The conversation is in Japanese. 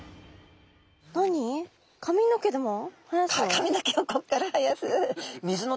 髪の毛をこっから生やす。